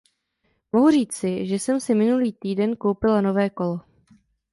Mohu říci, že jsem si minulý týden koupila nové kolo.